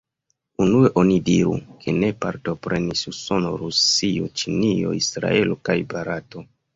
Unue oni diru, ke ne partoprenis Usono, Rusio, Ĉinio, Israelo kaj Barato.